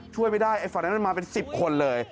ช่วยไม่ได้ไอ้ฝั่งนั้นมันมาเป็น๑๐คนเลย